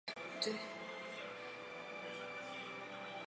它的结构与氯胺类似。